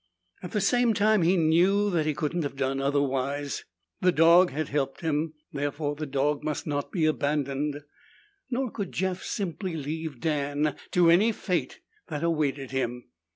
At the same time he knew that he couldn't have done otherwise. The dog had helped him, therefore the dog must not be abandoned. Nor could Jeff simply leave Dan to any fate that awaited him.